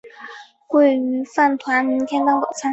鲑鱼饭团明天当早餐